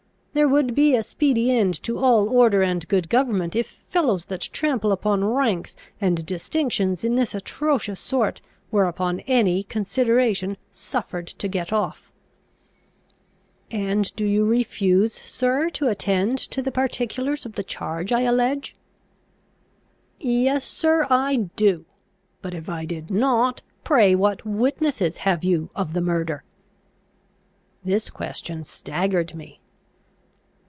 There would be a speedy end to all order and good government, if fellows that trample upon ranks and distinctions in this atrocious sort were upon any consideration suffered to get off." "And do you refuse, sir, to attend to the particulars of the charge I allege?" "Yes, sir, I do. But, if I did not, pray what witnesses have you of the murder?" This question staggered me.